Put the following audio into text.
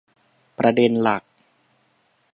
ประเด็นหลัก